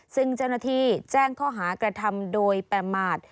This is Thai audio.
ซึ่งเจ้าหน้าที่แจ้งข้อหากระทำโดยประมาท